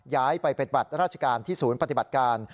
ย้ายไปเป็นบัตรราชการที่ศูนย์ปฏิบัติการ